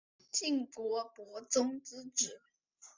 晋国伯宗之子。